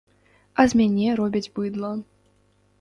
А з мяне робяць быдла.